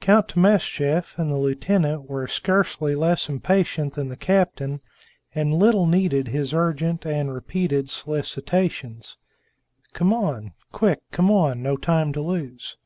Count Timascheff and the lieutenant were scarcely less impatient than the captain, and little needed his urgent and repeated solicitations: "Come on! Quick! Come on! no time to lose!"